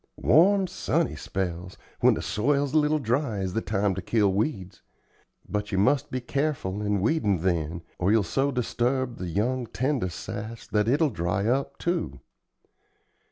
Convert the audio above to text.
Warm, sunny spells, when the soil's a little dry, is the time to kill weeds. But you must be careful in weedin' then, or you'll so disturb the young, tender sass that it'll dry up, too.